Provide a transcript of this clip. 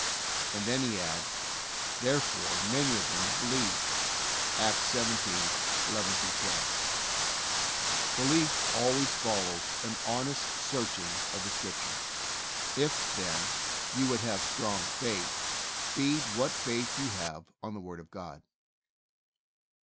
And then he adds : "There fore many of them believed." (Acts 17: 11 12.) Belief always follows an honest searching of the Scriptures. If, then, you BIBLE STUDY. 169 would have strong faith, feed what faith you have on the Word of God.